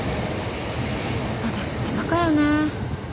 私って馬鹿よね。